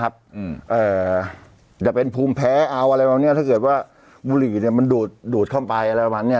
ครับจะเป็นภูมิแพ้เอาอะไรบุหรี่เนี่ยมันดูดเข้าไป